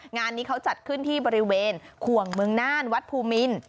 งานนี้เขาจัดขึ้นที่บริเวณขวงเมืองน่านวัดภูมิน